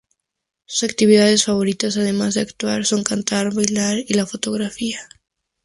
Sus actividades favoritas además de actuar son cantar, bailar y la fotografía.